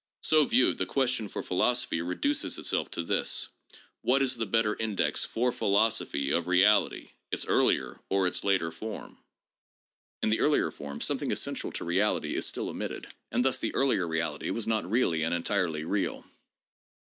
So viewed, the question for phi losophy reduces itself to this : What is the better index, for phi losophy, of reality : its earlier or its later form ?" In the earlier form "something essential to reality is still No. 3.] PURE EXPERIENCE AND REALITY. 269 omitted," and thus the 'earlier reality' was not really and entirely real.